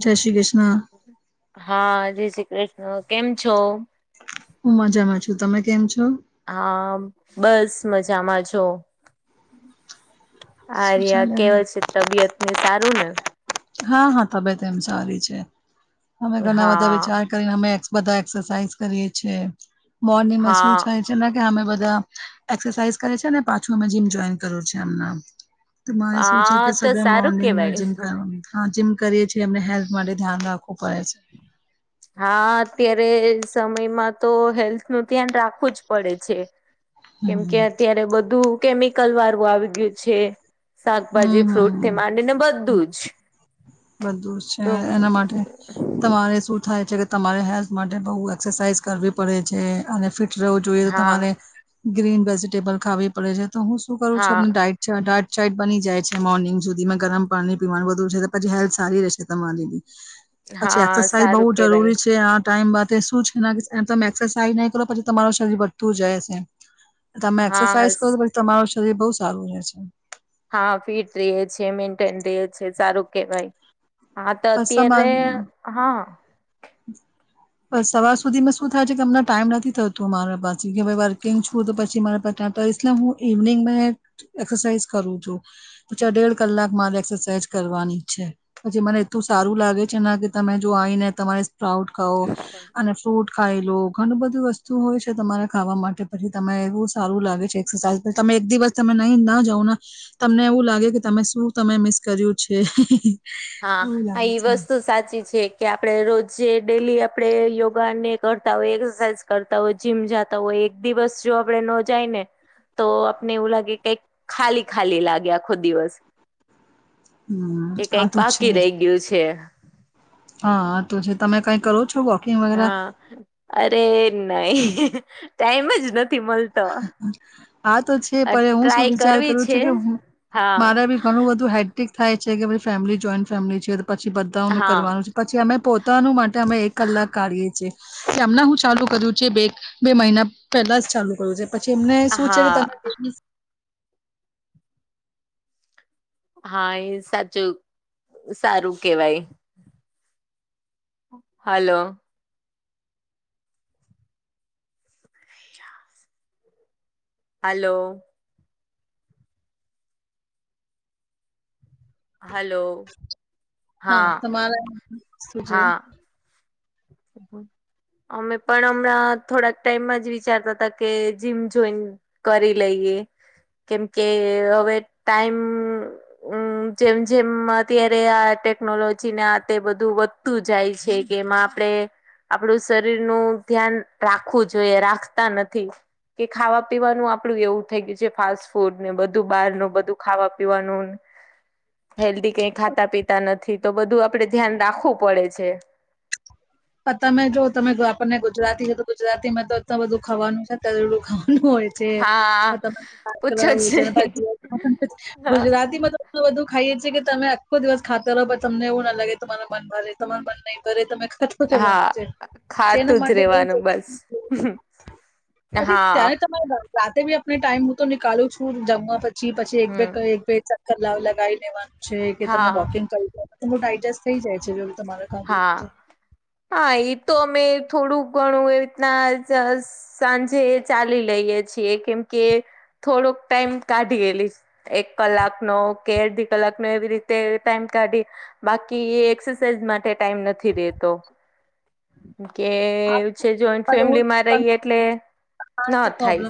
જય શ્રી કૃષ્ણ હા જય શ્રી કૃષ્ણ કેમ છો હું મજામાં છું તમે કેમ છો હા બસ મજામાં છો. શું આર્યા ચાલે કેવા છે તબિયત ની સારું ને હા હા તબિયત એમ સારી છે અમે ઘણા બધા હા વિચાર અમે બધા એક્સસાઇઝ કરીએ છે મોર્નિંગમાં શું હા થાય કે અમે બધા એક્સસાઇઝ કરે છે ને પાછું અમે જીમ જોઈન કર્યું છે અમના તો મારે શું છે હા કે તો સુબે સારું મોર્નિંગમાં કેવાય જીમ કરવાનું હા જીમ કરીએ છીએ એમને હેલ્થ માટે ધ્યાન રાખવું પડે છે. હા અત્યારે સમયમાં તો હેલ્થ નું ધ્યાન રાખવું જ પડે છે કેમ હમ કે ત્યારે બધું કેમિકલ વાળું આવી ગયું છે શાકભાજી હમ ફ્રૂટ થી હમ માંડી ને બધું જ બધું છે તો એના માટે તમારે શું થાય છે કે તમારે હેલ્થ માટે બહુ એક્સરસાઇઝ કરવી પડે છે અને ફિટ રેવું જોઈએ તો હા તમારે ગ્રીન વેજીિટેબલ ખાવવી પડે છે તો હું શું કરું હા છું ડાઈટ ડાયટ ચાઇટ બની જાય છે મોર્નિંગ સુધી માં ગરમ પાણી પીવાનું વધુ છે. પછી હેલ્થ સારી રહેશે તમારી પછી હા એક્સરસાઇઝ સારું બહુ કેવાય જરૂરી છે આ ટાઈમ બા શું છે તમે એક્સરસાાઈઝ નહી કરો પછી તમારું શરીર વધતું જાયશે તમે હા એક્સરસાઇઝ કરો પછી તમારું શરીર બઉ સારું રહે છે હા ફિટ રે છે મેન્ટેન રહે છે સારું કેવાય હા તો બસ તમા અત્યારે હા બસ સવાર સુધી મેં શું થાય છે કે અમને ટાઈમ નથી થતો મારા પાસે કે ભાઈ વર્કિંગ છું તો પછી મારા પાસે ઇસલિયે હું ઇવનિંગ મે એક્સરસાઝ કરું છું પછે દેડ કલાક મારે એક્સરસાાઈઝ કરવાની છે પછી મને એટલું સારું લાગે છે ના કે તમે જો આવીઈને તમારે પ્રાઉટ ખાઓ અને ફ્રૂટ ખાઈ લો ઘણું બધી વસ્તુ હોય છે તમારે ખાવા માટે પછી તમે એવું સારું લાગે છે એક્સરસાઇઝ પછી તમે એક દિવસ તમે નહી ના જાવ ના તમને એવું લાગે કે તમે શું તમે મિસ કર્યું છે હા હા લાગે એ છે વસ્તુ સાચી છે કે આપડે રોજે ડેલી આપણે યોગા ને કરતા હોય એક્સરસાઇઝ કરતા હોય જીમ જતા હોય એક દિવસ જો આપડે ન જાય ને તો આપને એવું લાગે કઈક ખાલી ખાલી લાગે આખો દિવસ હમ્મ કે આ કઈક તો છે બાકી રહી ગયું છે હા આ તો છે તમે કઈ કરો છો વોક હા અરે નહી ટાઈમ જ નથી મળતો આ તો છે પણ હું શું ટ્રાય વિચાર કરવી કરું છે છું કે હા મારે બી ઘણું બધું હેટ થાય છે કે ભી ફેમિલી જોઈન્ટ ફેમિલી છે પછી બધાનું હા કરવાનું છે પછી અમે પોતાનું માટે તમે અમે એક કલાક કાઢીએ છી એમને હું ચાલુ કર્યું છે બે બે મહિના પહેલા જ ચાલુ જે પછી એમને શું છે કે ત હા હા એ સાચું સારું કેવાય હાલો હલો હલો હા તમારા શું છે સ પણ અમે પણ હમણાં થોડાક ટાઈમમાં જ વિચારતા હતા કે જીમ જોઈન કરી લઈએ કેમ કે હવે ટાઈમ હમ્મ જેમ જેમ અત્યારે આ ટેકનોલોજીને આ તે બધું વધતું જાય છે કેમ આપણે આપડું શરીર નું ધ્યાન રાખવું જોઈએ રાખતા નથી કે ખાવા પીવાનું આપડું એવું થઈ ગયું છે ફાસ્ટ ફૂડ ને બધું બહાર નું બધું ખાવા પીવાનું હેલ્ધી કઈ ખાતા પીતા નથી તો બધું આપડે ધ્યાન રાખવું પડે છે પણ તમે જો તમે આપણને ગુજરાતી છે તો ગુજરાતીમાં તો એટલું બધું ખાવાનું છે તરેલું ખાવાનું હોય હા પૂછો જ નહી. પાછ હા ગુજરાતીમાં તો આટલુ બધ ખાઈએ છીએ કે તમે આખો દિવસ ખાતા રહો પણ તમને એવું ના લાગે તમાર મન ભરે તમાર મન નહીં ભરે તમે ખાતા નું છે હા જેના ખાતું જ માટે રેવાનું બસ પછી હા ત્યારે રાતે બી આપને ટાઈમ હું તો નીકળું છું જમવા પછી પછી એક બે હમ એક બે કલાવ લગાવ લેવાનું છે કે તમે હા વોકિંગ કરી દે તો ડાયડજસ્ટ થઈ જાય છે જો તમારે ખાધું હા છે હા એ તો અમે થોડું ઘણું એ રીતના સાંજે ચાલી લઈએ છીએ કેમ કે થોડોક ટાઈમ કાઢીેલી એક કલાકનો કે અડધી કલાકનો એવી રીતે ટાઈમ કાઢી બાકી એ એક્સરસાઇઝ માટે ટાઈમ નથી રેતો કે એવું છે જોઈન્ટ આ હું ફેમિલી માં રહીએ એટલે ન થાય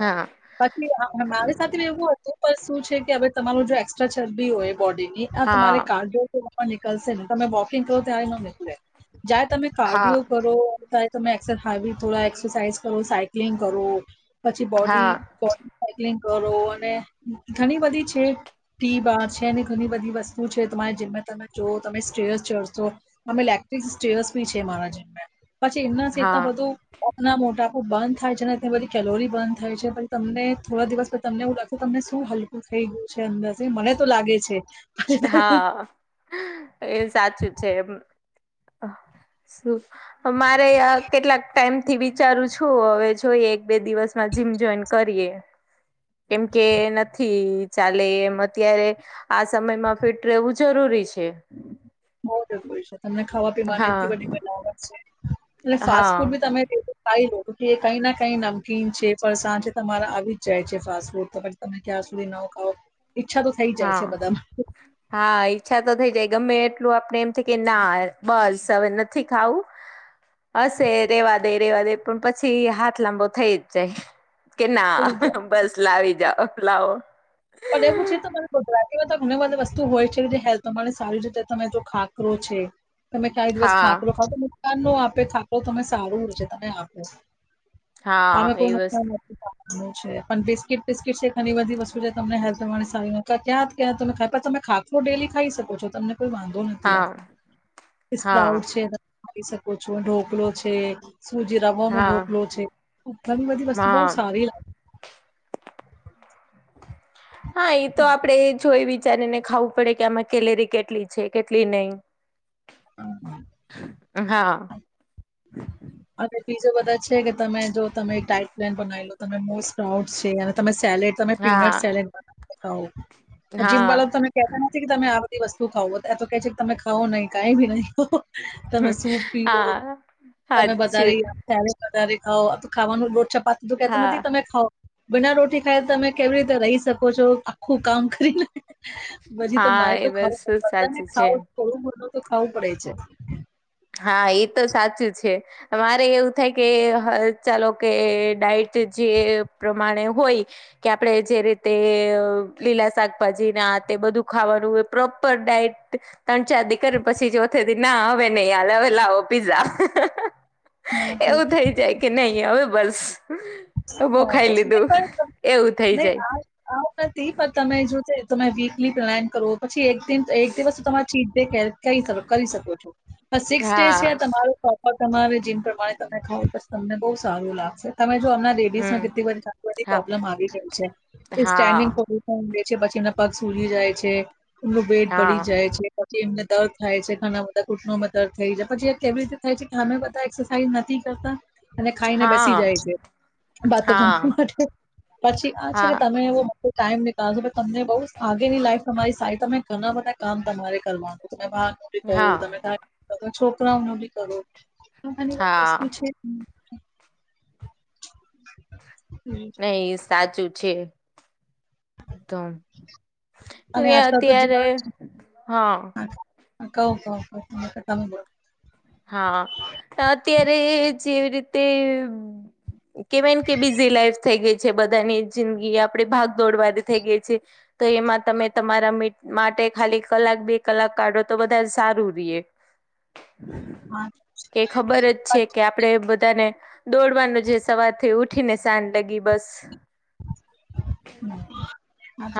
હા પછી મારી સાથે એવું હ ઉપર શું છે કે હવે તમારો જો એકક્સ્ટ્રા ચરબી હોય બોડી ની આ તમારે હા કાડો માં નીકળશે ને તમે વોકિંગ કરો ત્યારે ન નીકળે જ્યારે તમે હા કાર્ડિયો કરો ત્યારે તમે એક્સ હાવી થોડા એક્સરસાઈઝ કરો સાયક્લિંગ કરો પછી બોડી હા પોન સાયક્લિંગ કરો અને ઘણી બધી છે ટી બાર છે ને ઘણી બધી વસ્તુ છે તમારે જેમે તમે જોઓ તમે સ્ટ્રેસ ચશો અમે લેકેટરી [unintelligible] બી છે મારા જીમે પછી એમના સેતના હા બધું કોકના મોટાપુ બંધ થાય છે ને ત્યાં બધી કેલોરી બંધ થાય છે પછી તમને થોડા દિવસ પ તમને એવું લખુ તમને શું હલકું થઈ ગયું છે અંદરથી મને તો લાગે છે હા એ સાચું છે એમ શું અમારે કેટલાક ટાઈમ થી વિચારું છું હવે જોઈએ એક બે દિવસમાં જીમ જોઈન કરીએ કેમ કે નથી ચાલે એમ અત્યારે આસ સમયમાં ફિટ રહેવું જરૂરી છે બઉ જરૂરી છે તમને ખાવા પીવાની એટલી હા બધી નોબત છે અને ફાસ્ટ ફૂડ હા બી તમે એ કઈ ના કઈ નમકીન છે ફરસાણ છે તમારા આવી જાય છે ફાસ્ટ ફૂડ તો પછી તમે ક્યાં સુધી ન ખાવ ઈચ્છા તો થઈ જાય હા છે બધામાં હા ઈચ્છા તો થઈ જાય ગમે એટલું આપડે એમ થાય કે ના બસ હવે નથી ખાવું હશે રેવા દે રેવા દે પણ પછી હાથ લાંબો થઈ જ જાય કે ના થઈ જાય બસ લાવી જાઓ લાવો પણ એવું છે તમારે ગુજરાતીમાંધ ઘણી બધી વસ્તુ હોય છે જે હેલ્થ તમારે સારી છે તમે તો ખાખરો છે તમે કાંઈ દિવસ હા ખાકરો ખાધો નુકસાન ન આપે ખાકરો તમે સારું છે તમે આપો અમેં હા એ કોઈ વસ્તુ નુકસાન નથી [inaudible] છે પણ બિસ્કીટ પિસ્કીટ છે ઘણી બધી વસ્તુ છે તમને હેલ્થ સારી ક્યાં તમે ખાખરું ડેલી ખાઈ શકો છો તમેં કોઈ વાંધો નથી યાર હા હા [unintelligible] છે આપી શકો છો ઢોકલો છે સૂજી રાવાનો હા ઢોકલો છે ઘણી બધી વસ્તુ બઉ હા સારી લાગ હા એ તો આપડે જોઈ વિચારીને ખાવું પડે કે આમાં કેલેરી કેટલી છે કેટલી નઈ હમ હમ હા અને બીજા બધા છે કે તમે જો તમે ડાઇટ પ્લેન બનાવી લો તમે મોસ્ટ પ્રાઉડ છે અને તમે સેલેડ તમે હા પીનટ સેલેડ [inaudible] હા જીમવાલા તમે કેતા નથી કે તમે આ બધી વસ્તુ ખાવો એ તો કે છે કે તમે ખાઓ નહી કઈ બી નહી ખાઓ તમે સૂપ પીઓ હા તમે વધારે હાચું ત્યારે વધારે ખાઓ ખાવાનું લોટ છપાતું તું કેતું હા નથી તમે ખાઓ બીના રોટી ખાયે તમે કેવી રીતે રહી શકો છો આખું કામ કરીને પછી હા તમારે એ તો ખાવું વસ્તુ પડે ને સાચી છે ખાવ થોડું બધું તો ખાવું પડે છે હા એ તો સાચું છે અમારે એવું થાય કે ચાલો કે ડાઇટ જે પ્રમાણે હોય કે આપડે જે રીતે લીલા શાકભાજી ને આ તે બધું ખાવાનું પ્રોપર ડાઈટ તણ ચાર દી કરી પછી [unintelligible] ના હવે નહી હાલે હવે લાવો પીઝા હા એવું થઈ જાય કે નઈ હવે બસ તો બો ખાઈ બસ લીધું, એવું થઈ જાય. ટી પણ તમે જો જે તમે વીકલી પ્રયાયામ કરો પછી એક દિન એક દિવસ તમારી ચીટ ડે કે કહી શકો, કરી શકો છ, પણ સિક્સ ડેઝ હા છે તમારું પ્રોપર તમારે જેમ પ્રમાણે તમે ખાવ તમને બહુ સારું લાગશે તમે જોમ લેડીઝમાં હમ કેટલી બધી ચાલવાની હા પ્રોબ્લેમ આવી રહી છે, હા સ્ટેન્ડીંગ ફ દે છે પછી એના પગ સુજી જાય છે, એમનું વેટ બડી હા જાય છે. પછી એમને દર્દ થાય છે, ઘણા બધા ઘૂંટણોમાં દર્દ થઈ જા, પછી એ કેવી રીતે થાય છે, ખામે બધા એક્સ સાઇ નથી કરતા, અને ખાઈને બેસી હા જાય છે. વાતો હા ગણવા માટે, પછી આ છે હા કે તમે મોટો ટાઈમ નીળશો, તમને બઉ આગેની લાઈફ તમારી સારી, તમે ઘણા બધા કામ તમારે કરવાનું, તેમાં બી હા કરો, તમે છોકરાઓ નો બી કરો, ઘણી વાર હા વસ્તુ છેજ ની હમ્મ એ સાચું છે, તોમ અને એ આજકાલ તો અત્યારે હા કઉ કઉ પછી મેં કે તમે હા, અત્યારે જેવી રીતે કેવાયને કે બીઝી લાઈફ થઈ ગઈ છે, બધાની જિંદગી આપડી ભાગ દોડ વાળી થઈ ગઈ છે. તો એમાં તમે તમારા મીટ માટે ખાલી કલાક બે કલાક કાઢો તો વધારે સારું રિએ હા કે ખબર જ છે કે આપ આપણે બધાને દોડવાનું જે સવાર થી ઉઠી ને શાન લગી બસ.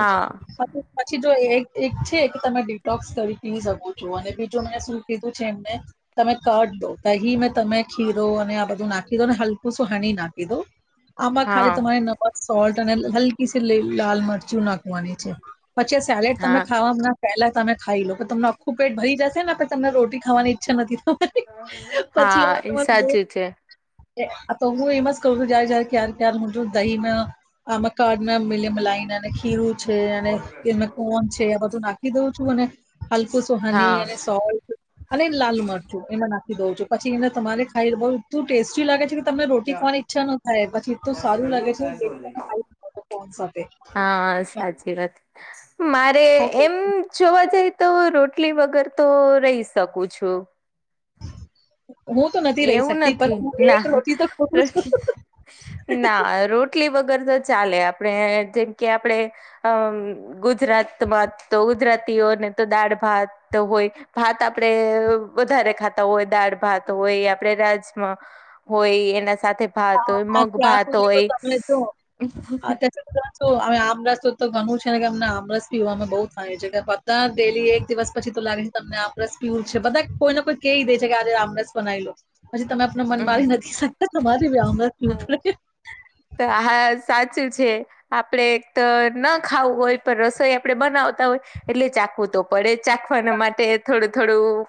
હા પછી જો એક એક છે કે, તમે ડિટોક્સ કરી પી શકો છો, અને બીજું મે શું કીધું છે એમને તમે કટ દો, દહી મેં તમે ખીરો અને આ બધું નાખી દો ને હલકું શું હની નાખી દો. [inaudible] આમાં ખાલી તમારે નમક સોલ્ટ અને હલકીસી લી લાલ મરચું નાખવાની છે. પછી સેલેડ તમે હા ખાવાવામ ના પેલા તમે ખાઈ લો, પછી તમને આખું પેટ ભરી જશેને પચી તમને રોટી ખાવાની ઈચ્છા નથી થ હા એ સાચી છે. એ આ તો હું એમ જ કરું છું જયારે જયારે ક્યાર કાર હું તો દહી મે આમ કારડના મિલી મલાઈનાને ખીરું. છે, અને એમાં કોન છે, આ બધું નાખી દઉં છું અને હલકું સુ હની હા અને સોલ્ટ અને લાલ મરચું એમા નાખી દઉં છું, પછી એને તમારે ખાઈ બધું એટલું ટેસ્ટી લાગે છે. તમને રોટી ખાવાની ઈચ્છા ન થાય, પછી ઇંટુ સારું લાગે છે કોન સાથે હા સાચી વાત, માર રે એમ જોવા જાય તો રોટલી વગર તો રહી શકું છું. હું તો નથી રહી એવું શકતી નથી પણ હું ના, એક રોટી તો ખઉં રોટલી છું ના રોટલી વગર તો ચાલે, આપણે જેમ કે આપડે અમ ગુજરાતમાં તો ગુજરાતીઓને તો દાળ ભાત તો હોય. ભાત આપડે વધારે ખાતા હોય, દાળ ભાત હોય આપડે રાજમાં હોય, એના સાથે ભત આ હોય, આ મગ ત્યાં ભાત સુધી હોય. તો અમે આમરસ તો તો ઘણું છે કે, અમને આમ રસ પીવાનું બઉ થાય છે ધા ડેલી એક દિવસ પછી તો લાગી તમને આમરસ પીવું છે, બધા કોઈને કોઈ કહી દે છે કે આજે આમ રસ બનાવી લો. પછી તમે આપને મન હમ મારી નથી શકતા તમારીમ ત હા સાચ છે. આપડે ના ખાવું હોય પણ રસોઈ આપડે બનાવતા હોય, એટલે ચાખવું તો. પડે ચાખવાના માટે થોડું થોડું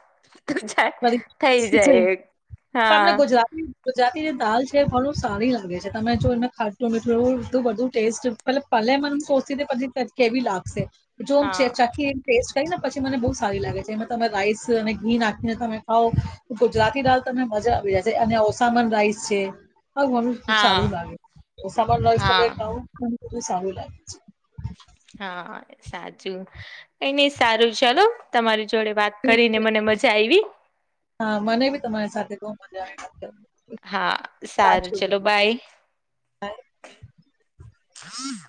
થઈ ફરી જાય, તમને હા. ગુજરાતી ગુજરાતી જે દાલ છે ભણું સારી લાગે છે તમે જો એને ખાટું મીઠું બધું ટેસ્ટ પ પલે મને સોચતી પછી કેવી લાગશે? જો હા ચાખી એ ટેસ્ટ કરીને પછી મને બહુ સારી લાગે છે એમાં તમે રાઈસ અને ઘી નાખી એ તમે ખાવ, ગુજરાતી ડળ તમને મજા આવી જાયશે અને ઓસામન રાઈસ છે. હણ હા સારું લાગેસા, હા સારું લાગે છે. હા સાચું, કઈ નઈ સારું ચાલ તમારી જોડે વાત ઠીક છે. કરીને મને મજા આવી. હા મને બી તમારી સાથે બહુ મજા આવી વાત કરવા. હા, સારું ચલો બાય. હ [unintelligible] હા [inaudible]